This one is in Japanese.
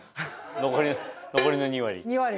残りの２割。